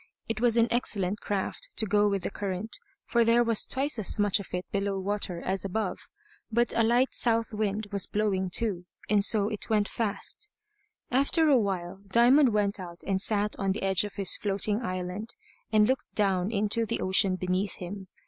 It was an excellent craft to go with the current, for there was twice as much of it below water as above. But a light south wind was blowing too, and so it went fast. After a little while Diamond went out and sat on the edge of his floating island, and looked down into the ocean beneath him.